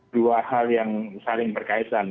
dua hal yang saling berkaitan